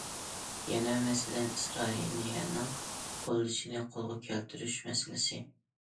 يەنە مەسىلەن، ئىسرائىلىيەنىڭ قوللىشىنى قولغا كەلتۈرۈش مەسىلىسى.